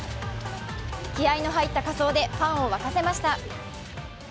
気合いの入った仮装でファンを沸かせました。